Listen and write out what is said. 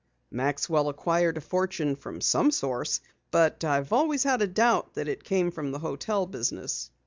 "Maxwell acquired a fortune from some source, but I've always had a doubt that it came from the hotel business."